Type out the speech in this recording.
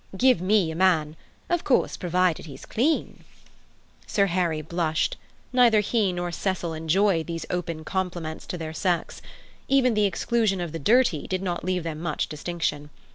Give me a man—of course, provided he's clean." Sir Harry blushed. Neither he nor Cecil enjoyed these open compliments to their sex. Even the exclusion of the dirty did not leave them much distinction.